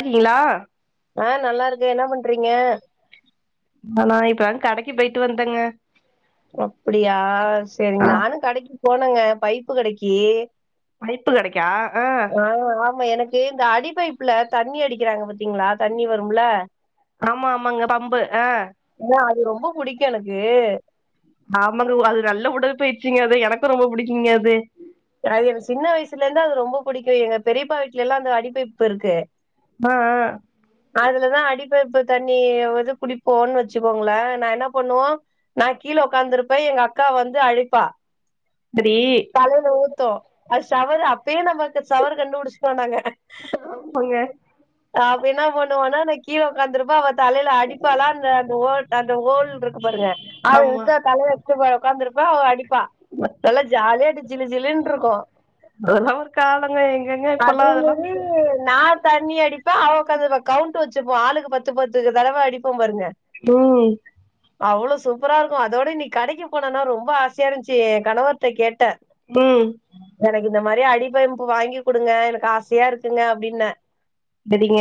கீங்ளா ஆ நல்லா இருக்கே என்ன பண்றீங்க நானா இப்ப தா கடைக்கு போய்ட்டு வந்தேங்க அப்டியா சரிங்க நானு கடைக்கி போனேங்க பைப்பு கடைக்கி பைப்பு கடைக்கா ஆ ஆஹ் ஆமா எனக்கு ஏ இந்த அடி பைப்புல தண்ணி அடிக்கிறாங்க பாத்தீங்களா தண்ணி வரும்ல ஆமா ஆமாங்க பம்பு ஆ ஏன்னா அது ரொம்ப புடிக்கு எனக்கு ஆமாங்க ஒ அது நல்ல உடல் பயிர்ச்சிங்க அது எனக்கு ரொம்ப புடிக்குங்க அது அது எனக்கு சின்ன வயசுலருந்து அது ரொம்ப பிடிக்கு எங்க பெரியப்பா வீட்லேலா அந்த அடிபைப்பு இருக்கு அ அ அதுலதா அடிபைப்பு தண்ணி வது குடிப்போன்னு வச்சுக்கோங்களே நா என்ன பண்ணுவோ நா கீழ ஒக்காந்துருப்பே எங்க அக்கா வந்து அடிப்பா ந்திரி தலையில ஊத்து அது சவரு அப்பயே நம்ம சவர் கண்டுபுடிச்ட்டோ நாங்க போங்க அப்ப இன்னா பண்ணுவோனா நா கீழ ஒக்காந்துருப்பே அவ தலையில அடிப்பாலா அந்த அந்த ஓல் அந்த ஹோல்ருக்கு பாருங்க அது ஆமா எடுத்து தலைய போய் ஒக்காந்துருப்பா அவ அடிப்பா நல்லா ஜாலியா ஜிலு ஜிலுன்ருக்கு அதெல்லா ஒரு காலங்க எங்கங்க இப்பல்லா அதெல்லா ஹு நா தண்ணி அடிப்பே அவ ஒக்காந்துருப்பா கவுண்ட் வச்சுப்போ ஆளுக்கு பத்து பத்துக்கு தடவ அடிப்போ பாருங்க ம் அவ்ளோ சூப்பராருக்கு அதோட இன்னிக் கடக்கி போனேனா ரொம்ப ஆசையாருஞ்ச்சி எங்கணவர்ட்ட கேட்டே ம் எனக்கு இந்த மாரி அடிபம்பு வாங்கி குடுங்க எனக்கு ஆசையா இருக்குங்க அப்டின்னே பிடிங்க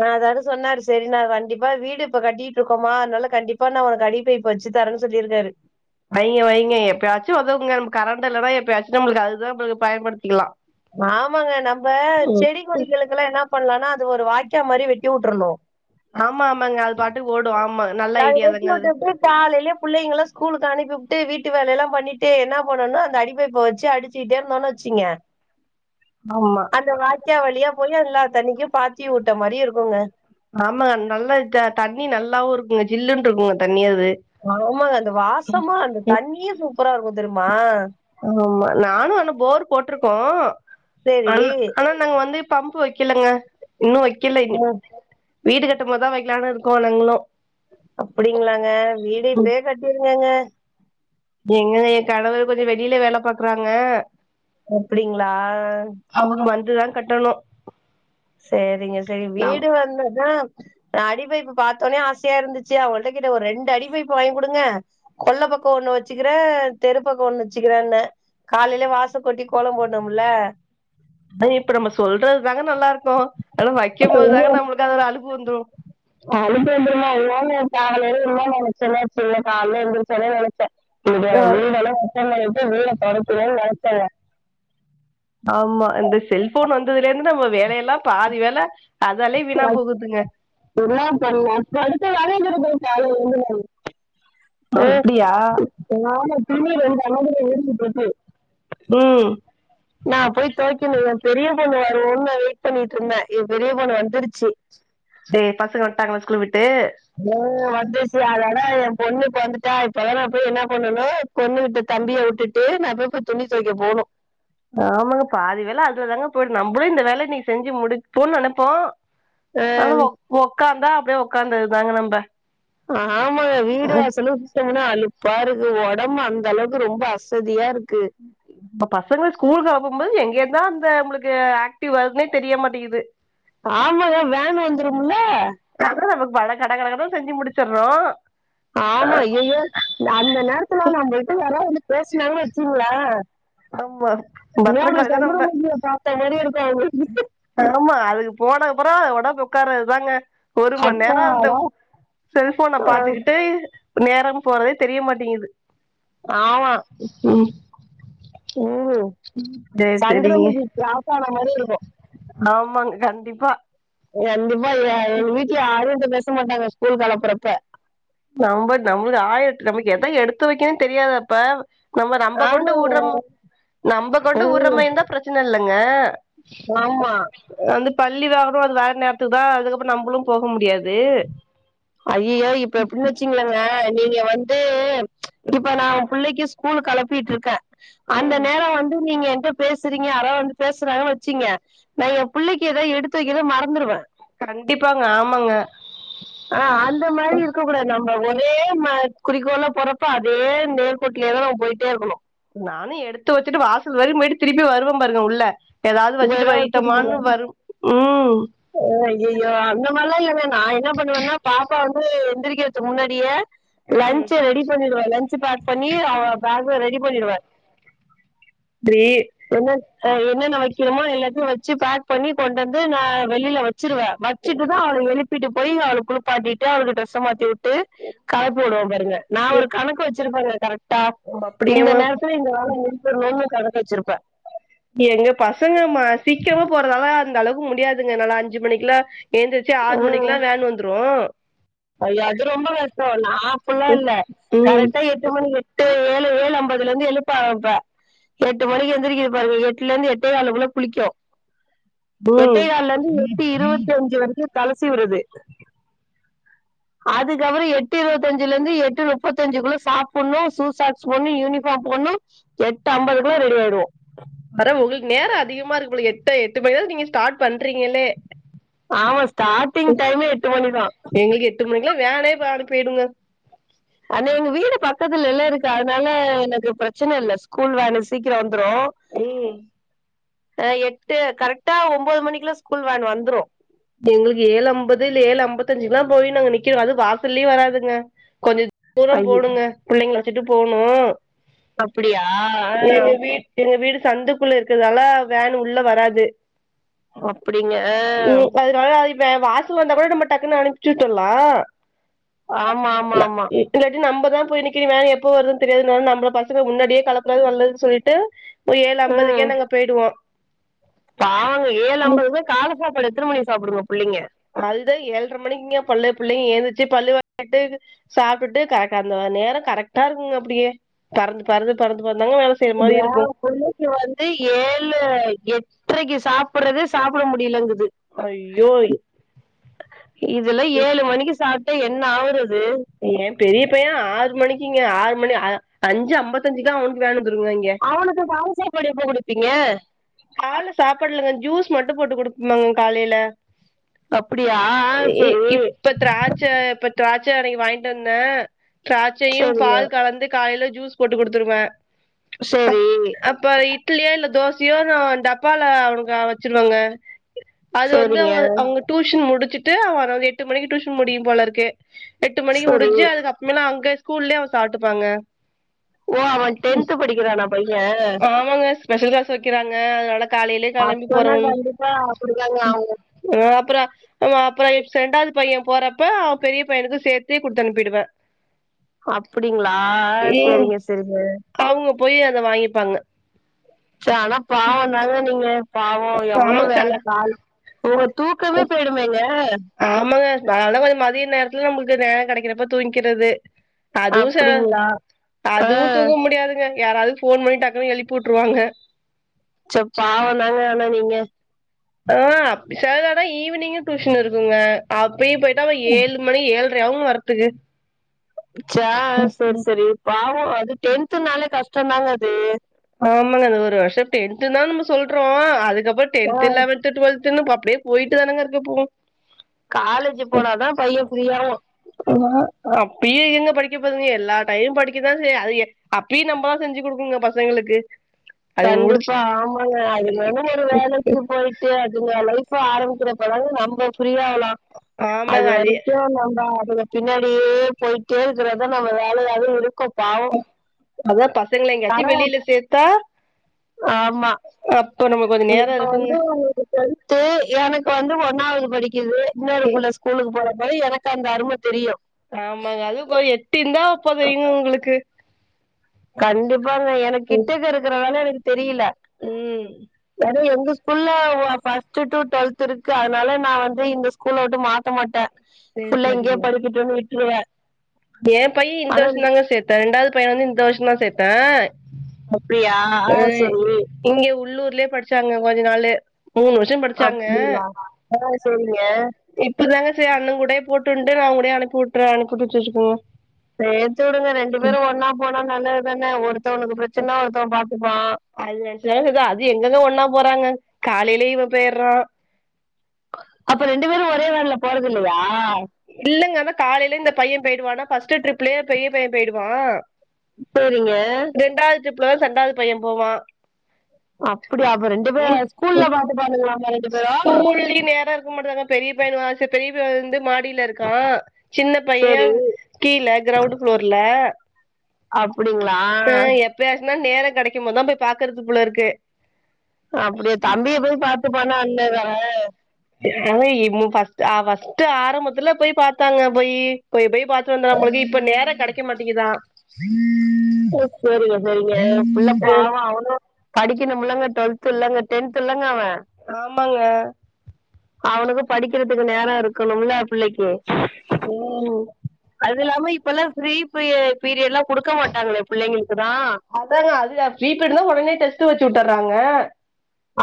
நா அதாது சொன்னாரு செரி நா கண்டிப்பா வீடு இப்ப கட்டிட்ருக்கோமா அனால கண்டிப் இப்ப நா ஒனக்கு அடிபைப்பு வெச்சி தரேன் சொல்லிருக்காரு வைங்க வைங்க எப்பயாச்சும் ஒதவுங்க நம் கரண்ட் இல்லனா எப்பயாச்சு நம்புளுக்கு அதுதாஞ பயன்படுத்திக்லா ஆமாங்க நம்ப செடி கொடிகளுக்லா என்னா பண்ணலான்னா அது ஒரு வாக்கா மாரி வெட்டி உட்றணு ஆமா ஆமாங்க அது பாட்டுக்கு ஓடும் ஆமா நல்ல காய ஐடியா வெட்டி தாங்க அது வுட்டுட்டு காலையிலே புள்ளைங்கள ஸ்கூலுக்கு அனுப்பி வுட்டு வீட்டு வேலைல்லா பண்ணிட்டு என்னா பண்ணணு அந்த அடிபைப்ப வச்சி அடிச் ட்டே இருந்தோனு வெச்சிங்க ஆமா அந்த வாக்கா வழியா போயி எல்லா தண்ணிக்கும் பாத்தி உட்ட மாரி இருக்குங்க ஆமாங்க நல்ல த தண்ணி நல்லாவுருக்குங்க ஜில்லுன் இருக்குங்க தண்ணி அது ஆமாங்க அந்த வாசமா அந்த தண்ணியே சூப்பராருக்கும் தெரியுமா ஆமா நானு அந்த போர் போட்ருக்கோம் சரி. ஆனா ஆனா நாங்க வந்து பம்பு வெக்கலங்க இன்னு வைக்கல இனி ம். வீடு கட்டம்போதா வைக்கலான் இருக்கோ நங்களும் அப்டிங்ளாங்க வீடு இப்பே கட்டிருங்கங்க எங்கங்க எங்கணவர் கொஞ்ச வெளில வேல பாக்றாங்க அப்டிங்ளா அவுங் வந்துதா கட்டணு சேரிங்க செரிங் வீடு நம் வந்ததா நா அடிபைப்பு பாத்த ஒடனே ஆசையாருந்துச்சு அவுங்கள்ட்ட கேட்டன் ஒரு ரெண்டு அடிபைப்ப வாங்கி குடுங்க கொள்ள பக்க ஒண்ணு வெச்சுகிற தெரு பக்கம் ஒண்ணு வெச்சுகிறன்ன காலைலே வாசக்கூட்டி கோல போட்னும்ல அ இப்ப நம்ம சொல்றதுதாங்க நல்லார்க்கு அனா வைக்கம்போதுதாங்க நம்முளுக்கு அதோட அலுப்பு வந்துரு அலுப்பு வந்துருமா ஒஓ காலைல என்ன நெனச்சன்னா சின்ன கால்ல எந்திரிச்சோனே நெனச்சன் இன்னக்கி நா ஆ வீடெல்லா சுத்தமபண்ணிட்டு வீட தொடக்கினு நெனச்சங்க ஆமா இந்த செல்ஃபோன் வந்ததுலேர்ந்து நம்ம வேலையெல்லா பாதி வேல அதாலே வீணா போகுதுங்க என்னா பண்லா படுக்கதானே குடுக்குது கால்லேர்ந்து நானு அப்டியா ஒ நாள துணி ரெண்டு அன்ன கூட ஊறிப் போச்சி ம் நா போய் தொவைக்கனு எம்பெரிய பொண்ணு வருவுன்னு நா வெயிட் பண்ணிட்ருந்தன் என் பெரிய பொண்ணு வந்துருச்சி டே பசங்க வன்ட்டாங்களா ஸ்கூல் விட்டு டோ வந்துச்சு அடடா எம்பொண்ணு இப்ப வந்துட்டா இப்பதா நா போய் என்னா பண்ணணு பொண்ணுகிட்ட தம்பிய உட்டுட்டு நா போய் இப்ப துணி துவைக்க போணு ஆமாங்க பாதி வேல அதுவதாங்க போயிடு நம்மளூ இந்த வேல இன்னிகி செஞ்சு முடிப்போன்னு நெனப்போ ஆ, ஆனா ஒக் ஒக்காந்தா அப்டியே ஒக்காந்தது தாங்க நம்ப ஆமாங்க வீடு வாசலுப் கனுன அலுப்பா இருக்கு ஒடம்பு அந்த அளவுக்கு ரொம்ப அசதியா இருக்கு நம்ப பசங்க ஸ்கூலுக்கு அனுப்பபோது எங்கேர்ந்தா அந்த அம்புளுக்கு ஆக்டிவ் வருதுன்னே தெரியமாட்டேங்கிது ஆமாங்க வேன் வந்துரூம்லே அதா நமக் பழ கடகடன்னு செஞ்சு முடிச்சிடறோ ஆமா ஐயையோ அந்த நேரத்துல நம்மகிட்ட யாராது வந்து பேசினாங்கனு வெச்சுங்ல ஆமா நூறு பத்திரகாளிதான் நம்ப சந்தரமுகிய பாத்தா மாரி இருக்கு அவுங்களுக்கு ஆமா அதுக போனக்கப்றோ அதோட போ ஒக்காரது தாங்க ஒரு மண் அப்பா நேரோ அந்த ஃப் செல்போன பாத்துக்கிட்டு நேரோ போறதே தெரிய மாட்டேங்கிது ஆமா ம் ம் சரி சந்திரமுகி கிராசான மாரி இருக்கு ஆமாங் கண்டிப்பா கண்டிப்பா எ எங்க வீட்ல யாரு உன்ட்ட பேச மாட்டாங்க ஸ்கூல் கெளப்புறப்ப நம்ப நம்முளு ஆய்ட் நமக்கு எத எடுத்து வக்கனு தெரியாதாப்பா நம்ம நம்ப கொண்டு ஆமாங்க உட்றமு நம்ப ஓ கொண்டு உட்ற மாய்ந்தா பிரச்சன இல்லங்க ஆமா வந்து பள்ளி வாகனோ அது வர நேரத்துக்கு தா அதுக்கப்பறோ நம்புளு போக முடியாது ஐய்யோ இப்ப எப்டின் வச்சுங்ளங்க நீங்க வந் து இப்ப நா ஒ புள்ளைக்கி ஸ்கூல் கெளப்பிட்ருக்கே அந்த ம் நேரோ வந்து நீங்க என்ட்டப் பேசுறீங்க யாரோ வந்து பேசுறாங்கன் வச்சீங்க நா எ புள்ளைக்கு ஏதோ எடுத்து வைக்கறத மறந்துடுவே கண்டிப்பாங்க ஆமாங்க ஆ அந்த மாரி இருக்க கூடாது நம்ப ஒரே ம குறிக்கோளா போறப்ப அதே நே கோட்லே தா நம்ம போயிட்டே இருக்கனு நானு எடுத்து வச்சிட்டு வாசல் வரயு போய்ட்டு திருப்பி வருவ பாருங்க உள்ள ஏதாது உங்க வச்சிட்டு ஏதாவது பொயிட்டாமானு வரு ம் அ ஐய்யயோ அந்த மாரிலா இல்லங்க நா என்ன பண்ணுவேனா பாப்பா வந்து எந்திரிக்கர்த்துக் முன்னாடியே ம் லஞ்ச ரெடி பண்ணிடுவே லன்ஞ்சு பேக் பண்ணி அவ பேக்ல ரெடி பண்ணிடுவ டிரீ என்னன் அ என்னென்ன வைக்கினமோ எல்லாத்தையு வச்சி பேக் பண்ணி கொண்டு வந்து நா வெளியில வெச்சிருவே வச்சிட்டு தா அவள எழுப் பிட்டு போயி அவளுக் குளுப்பாட்டிட்டு அவளுக்கு டிரெஸ்ஸ மாத்தி வுட்டு களப்பி வுடுவ பாருங்க நா ஒரு கணக்கு வச் சிருப்பாங்க கரெக்டா இந்த அப்டியேமா நேரத்துல இங்க வேல முடிக்கனூனு கணக் வச்சிருப்பே எங்க பசங்க ம சீக்கிரமா போறதால அந்த அளவுக்கு முடியாதுங்க என்னாலா அஞ்சு மணிக்கலா எந்திரிச்சு ஆறு மணிக்குலா வேன் வந்துரு அய்யோ அது ரொம்ப கஷ்டோ நா அப்பில்லா இல்ல ம் கரெக்டா எட் எட்டு மணி எட்டு ஏழு ஏழு ஐம்பதுலந்து எழுப்ப ஆரம்ப்ப எட்டு மணிக்கு எந்திரிக்குது பாருங்க எட்டுலர்ருந்து எட்டே காலுக்குள்ள குளிக்கு எட்டே ம் காால்லருந்து எட்டு இருவத்தி அஞ்சு வரைக்கு தல சீவுரது அதுக்கப்றோ எட்டு இருவத்தஞ்சுலர்ந்து எட்டு நுப்பத்தஞ்சுக்குள்ள சாப்புண்ணு சூ சாக்ஸ் போட்ணு யூனிஃபாம் போட்ணு எட்டு ஐம்பதுக்குள்ள ரெடி ஆயிடுவோ ப்ர ஒங்களுக்கு நேரோ அதிகமா இருக்கு போல எட்ட எட்டு மணிதா நீங்க ஸ்டாட் பண்றீங்களே ஆமா ஸ்டாட்டிங் டைமே எட்டு மணிதா எங்களுக்கு எட்டு மணிக்கலா வேனே பாதி போய்டுங்க ஆனா எங்க வீடு பக்கத்துல இல்ல இருக்கு அதனால எனக்கு பிரச்சன இல்ல ஸ்கூல் வேணு சீக்கிரோ வந்துரு அரி எட்டு கரெக்டா ஒம்போது மணிக்லா ஸ்கூல் வேன் வந்துரு எங்களுக்கு ஏழு அம்பது இல்ல ஏழு அம்பத்தஞ்சிக்லா போய் நாங்க நிக்கினு அதுவு வாசல்லியே வராதுங்க கொஞ்ச தூரோ ஐயோ போடுங்க பிள்ளைங்கள வச்சிட்டு போனு அப்புடியா ஆ வீட் எங்க வீடு சந்துகுள்ள இருக்கறதால வேன் உள்ள வராது அப்புடிங்கெ அதுனால அது இப்ப வாசல் வந்தா கொட நம்ம டக்குன்னு அனுப்ச்சுட்டர்லா ஆமா ஆமா ஆமா இல்லாட்டி நம்பதா போய் நிக்கினி வேனு எப்போ வருனு தெரியாதுனால நம்ப பசங்கள முன்னாடியே கெளப்புறது நல்லதுன் சொல்லிட்டு போய் ஏழு உம் அம்பதுக்கே நாங்க போயிடுவோ பாவங்க ஏழு அம்பதுமே கால சாப்பாடு எத்தன மணிக் சாப்புடுங்க புள்ளெங்கெ அதுதா ஏழ்ற மணிக்குங்கெ பல்ல புள்ளெங்கெ ஏந்துச்சு பல்லு வெலகிட்டு சாப்டுட்டு கரட்டா அந்த நேரோ கரெட்டா இருக்குங்க அப்புடியே பறந்து பறந்து பறந்து பறந்தாங்க வேல செய்ற எ மாரி இருக்கு மியாவ் புள்ளெங்கெ வந்து ஏழு எட்றக்கி சாப்புட்றது சாப்புட முடிலெங்குது அய்யோய் இதுல ஏழு மணிக்கி சாப்ட்டா என்ன ஆவுறது ஏ பெரிய பையெ ஆறு மணிக்கிங்க ஆறு மணி அ அஞ்சு அம்ப தஞ்சிக்தா அவனுக்கு வேனு வந்துருங்க இங்கெ அவனுக்கு காலை சாப்பாடு எப்ப கொடுப்பீங்க கால்ல சாப்பட்லெங்க ஜூஸ் மட்டு போட்டு குடுப்மாங்க காலைல அப்டியா ஆ இ சேரி இப்ப திராட்ச்ச இப்ப திராட்ச்ச அன்னகி வாங்ட் வந்தே திராட்சையு சரிங்க பால் கலந்து காலைல ஜூஸ் போட்டு குடுத்துருவ சரி அப்ப இட் லியோ இல்ல தோசியோ நா டப்பால அவனுகு அ வச்சுருவேங்க அது வந்து சரிங்க அவுங்க அவங்க டூஷன் முடுச்சுட்டு அவன எட்டு மணிக்கு டூஷன் முடியு போலருக்கு எட்டு மணிக்கி சரி முடுஞ்சு அதுக்கு அப்பமேலா அங்க ஸ்கூல்லே அவ சாப்ட்டுப்பாங்க ஓ அவெ டென்த் படிக்கிறானா பையெ ஆமாங்க ஸ்பெஷல் கிளாஸ் வைக்கிறாங்க அதுனால காலைலே கெளம்பி அப்பனா போறோ கண்டிப்பா அப்படிதாங்க ஆகும். அ அப்பறோ அவ அப்பறொ எப்ஸ் ரெண்டாவ்து பையெ போறப்ப அவ பெரிய பையனுக்கு சேத்தே குடுத்து அனுப்பிடுவே அப்டிங்ளா சேரிங்க சேரிங்க அவுங்க போய் அத வாங்கிப்பாங்க ச்செ ஆனா பாவொ தாங்க நீங்க பாவோ எவ்ளோ ஆமாங்க சார் வேல கால் தூங்க தூக்கமே போய்டுமேங்க ஆமாங்க நா அதா கொஞ்சொ மதிய நேரத்துல நம்பள்க்கு நேரொ கெடக்கிறப்ப தூங்கிக்கிறது அதுவு செல அப்டிங்களா ஆ அதுவு தூங்க முடியாதுங்க யாராவ்து ஃபோன் பண்ணி டக்குனு எழுப்பி வுட்ருவாங்க சோ பாவொ தாங்க ஆனா நீங்க ஆ அப் செய்ததா ஈவினிங்கு டூஷன் இருக்குங்க அப்பேயு போய்ட்டு அவ ஏழு மணி ஏழ்றெ அவு வரதுக்கு ச்சா சேரி சேரி பாவோ அது டென்த்துனால கஷ்டொ தாங்க அது ஆமங்க அது ஒரு வர்ஷொ டென்த் தா நம்ம சொல்றோ அதுக்கப்பறொ ஆ டென்த்து லவென் த்து டுவெல்த்துனு அப்டியே போயிட்டு தானங்க இருக்கு போ காலேஜு போனாதா பையெ ஃப்ரீ ஆவா அப்பயு எங்க படிக்க போதுங்க எல்லா டைம் படிக்கதா செய் அது அப்பயு நம்பதா செஞ்சு குடுக்குங்க பசங்களுக்கு அது முடிச்சு கண்டிப்பா ஆமாங்க அதுனால ஒரு வேலைக்கு போய் ஃப்ரீயா விடுங்க லைஃப ஆரம்பிக்கிறப்ப தா நம்ப ஃப்ரீ ஆவ்லா அது ஆமாங்க அதே வரிக்கு நம்ப அதுக பின்னாடியே போயிட்டே இருக்குறதா நம்ம வேலையாவே இருக் அதா பசங்கள எங்கயாச்சு ஆனா வெளில சேத்தா ஆமா சோ நம்ம கொழ்ந்தைங் கு இப்ப வந்து உங்ளுக்கு ட்வெல்த்து எனக் வந்து ஒன்னாவ்து படிக்கிது இன்னோரு புள்ள ஸ்கூலுக்கு போறப்போ எனக்கு அந்த அரும தெரியு ஆமாங்க அது இப்போ எட்டு இர்ந்தா போதுமே இவுங்களுக்கு கண்டிப்பாங்க எனக் கிட்டக்க இருக்கறனால எனக்கு தெரியில ம் ஏதோ எங்க ஸ்கூல்ல ஓ ஃபஸ்ட்டு டு ட்வெல்த் இருக்கு அதுனால நா வந்து இந்த ஸ்கூல வுட்டு மாத்த மாட்டே சேரி ஃபுல்லா இங்கயே படிக்கட்டுன் விட்ருவே எ பைய இந்த வர்ஷந்தாங்க சேத்தே ரெண்டாவ்து பையன வந்து இந்த வர்ஷந்தா சேத்தே அப்டியா அ ஓ செரி இங்க உள்ளூர்லே படிச்சாங்க கொஞ்ச நாளு மூணு வர்ஷோ ப அப்டிங்ளா ஓ செரிங்க இப்பதாங்க சேர் அண்ணங்கூடயே போட்டுன்ட்டு நா அவங்கூடயே அனுப்பி உட்றே அனுப்பி உட்டு வெச்சிட்ருக்கங்க சேத்துடுங்க ரெண்டு பேரு ஒன்னா போனா நல்லது தான ஒருத்தவனுக்கு பிரச்சன்னா ஒருத்தவ பாத்துப்பா அது நெனச்சி தா விட்ருக்க அது எங்கங்க ஒன்னா போறாங்க காலைலே இவ போயர்றா அப்ப ரெண்டு பேரு ஒரே வேன்ல போறதில்லயா இல்லங்க அதா காலைலே இந்த பைய போய்டுவானா ஃபஸ்ட்டு ட்ரிப்லே பெரிய பைய போய்டுவா சேரிங்க ரெண்டாவ்து ட்ரிப்லதா செண்டாவ்து பைய போவா அப்டியா அப்ப ரெண்டு பேர ஸ்கூல்ல பாத்துப்பானுகளா ஸ்கூல்லி நேரோ இருக்க மாட்டுங்குதே பெரிய பைய வேற கிளாஸு பெரிய பைய வந்து மா டில இருக்கா சின்ன பைய சரி. கீழ க்ரௌண்டு ஃப்ளோர்ல அப்பிடிங்ளா பேசுனா நேரங்கெடைக்கும் போதா போய் பாக்கற்து போலருக்கு அப்பிடியா தம்பிய போய் பாத்துப்பானா அண்ணங்கார ஏங்க இ மு ஃபஸ்ட்டு ஆ ஆரம்பத்துல போய் பாத்தாங்க போயி போய் போய் பாத்து வந்தா போலருக்கு இப்ப நேரங்கெடைக்க மாட்டிங்கிதா ஓ செரிங்க செரிங்க புள்ள ஆ பாவோ அவனு படிக்கணுமில்லங்க ட்வெல்த்து இல்லங்க டென்த் இல்லங்க அவ ஆமாங்க அவனுக்கு படிக்கிறத்துக்கு நேரோ இருக்கணுமில்ல பிள்ளைக்கு ம் அதுல்லாம இப்பல்லா ஃப்ரீ ப்ரியேட் பீரியட்லா குடுக்க மாட்டாங்களே பிள்ளைங்கள்க்குதா அதாங்க அது தா ஃப்ரீ பீடு்னா ஒடனே டெஸ்ட்டு வெச்சுட்டர்றாங்க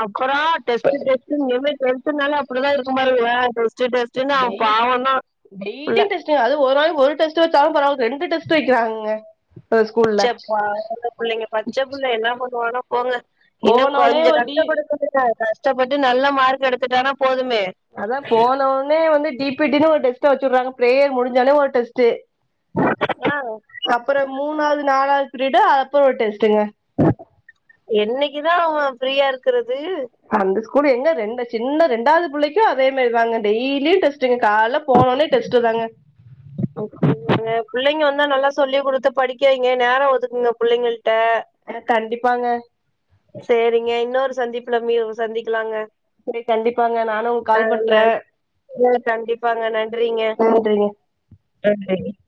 அப்பறோ டெஸ்ட்டு டெஸ்ட்டுன் இனிமே டென்த்துனாலே அப்பிடிதா இருக்கு பாருங்க டெஸ்ட்டு டெஸ் ட்டுன் அவ பாவந்தா புள்ள டு அது ஒரு நாளைக்கு ஒரு டெஸ்ட்டு வெச்சாலு பரவால் இது ரெண்டு டெஸ்ட்டு வெக்கிறாங்க சே பாவோ இந்த பிள்ளைங்க பச்ச புள்ள என்ன பண்ணுவானா போங்க இன்னு போனோனே கொஞ்ச ஒரு டி கஷ்டப்படட்டுங்க கஷ்டப்பட்டு நல்ல மார்க் எடுத்துட்டானா போதுமே அதா போன உட்னே வந்து டி பி டி னு ஒரு டெஸ்ட்ட வெச்சு உட்றாங்க ப்ரேயர் முடிஞ்சாலே ஒரு டெஸ்ட்டு ஆ அப்றோ மூணாவ்து நாலாவ்து பீரிடு அது அப்றோ ஒரு டெஸ்ட்டுங்க என்னைக்குதா அவ ஃப்ரீயா இருக்கறது அந்த ஸ்கூல்ல எங்க ரெண்டு சின்ன ரெண்டாவ்து பிள்ளைக்கு அதே மாரிதாங்க டெய்லியு டெஸ்ட் ங்க கால்ல போனோனே டெஸ்ட்டு தாங்க பிள்ளைங்க வந்தா நல்லா சொல்லிக குடுத்து படிக்க வைங்க நேர ஒதுக்குங்க புள்ளைங்கள்ட்ட ஆ கண்டிப்பாங்க சேரிங்க இன்னொரு சந்திப்புல மீ சந்திக்கலாங்க சரி கண்டிப்பாங்க நானு உங் கால் பண்றே அ கண்டிப்பாங்க நன்றிங்க என்ன பண்றீங்க [unintelligible]